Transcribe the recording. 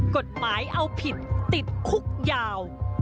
กฎหมายเอาผิดติดคุกยาว